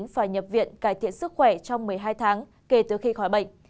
phải nhập viện cải thiện sức khỏe trong một mươi hai tháng kể từ khi khỏi bệnh